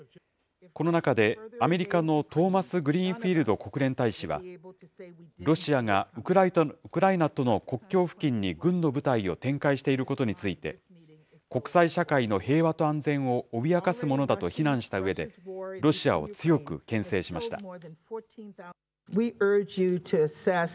この中で、アメリカのトーマスグリーンフィールド国連大使は、ロシアがウクライナとの国境付近に軍の部隊を展開していることについて、国際社会の平和と安全を脅かすものだと非難したうえで、ロシアを強くけん制しました。